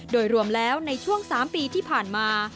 โดยรวมแล้วในช่วง๓ปีที่ผ่านมา